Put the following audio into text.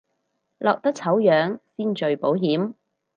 落得醜樣先最保險